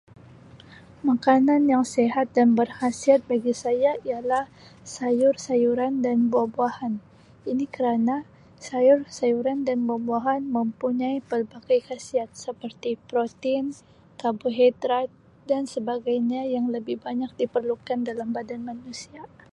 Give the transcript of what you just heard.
Makanan yang sihat dan berkhasiat bagi saya ialah sayur-sayuran dan buah-buahan ini kerana sayur-sayuran dan buah-buahan mempunyai pelbagai khasiat seperti protein, karbohidrat dan sebagainya yang lebih banyak yang diperlukan dalam badan manusia.